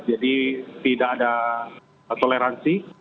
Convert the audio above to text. jadi tidak ada toleransi